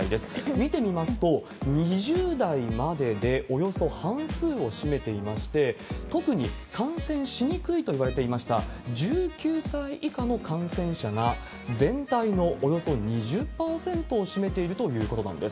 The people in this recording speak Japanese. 見てみますと、２０代まででおよそ半数を占めていまして、特に感染しにくいといわれていました１９歳以下の感染者が全体のおよそ２０％を占めているということなんです。